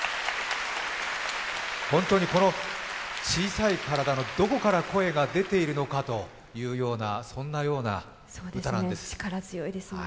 この小さい体のどこから声が出ているのかというような、力強いですよね。